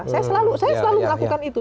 saya selalu melakukan itu